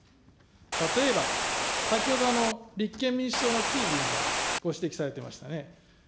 例えば、先ほど立憲民主党のきい議員がご指摘されてましたね。